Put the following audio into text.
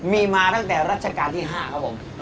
มีมาตั้งแต่รัชกาลที่๕ครับผม